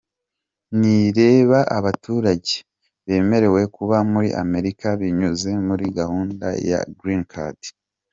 Ntirireba abaturage bemerewe kuba muri Amerika binyuze muri gahunda ya Green Card.